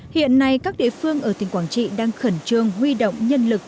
hiện nay các địa phương ở tỉnh quảng trị đang khẩn trương huy động nhân lực